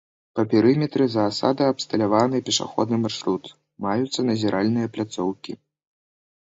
Па перыметры заасада абсталяваны пешаходны маршрут, маюцца назіральныя пляцоўкі.